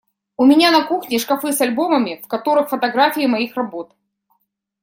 У меня на кухне шкафы с альбомами, в которых фотографии моих работ.